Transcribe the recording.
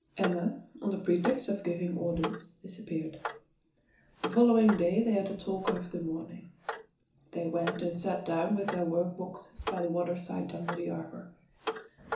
Emma, on the pretext of giving orders, disappeared. The following day they had a talk over the mourning. They went and sat down with their workboxes by the waterside under the arbour.